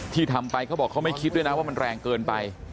ทำไปเขาบอกเขาไม่คิดด้วยนะว่ามันแรงเกินไป